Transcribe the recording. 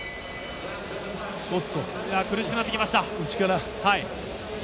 苦しくなってきました。